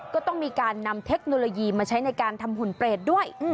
ก็ต้องมีการนำเทคโนโลยีมาใช้ในการทำหุ่นเปรตด้วย